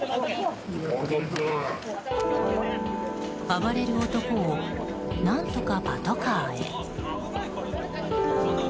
暴れる男を何とかパトカーへ。